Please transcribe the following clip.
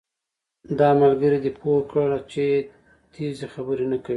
دا ملګری دې پوهه کړه چې تېزي خبرې نه کوي